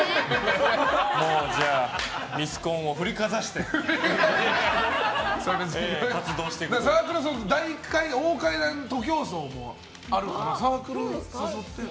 もう、じゃあミスコンを振りかざしてサークルの大階段徒競走もあるから。